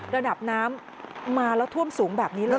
ระดับน้ำมาแล้วท่วมสูงแบบนี้เลย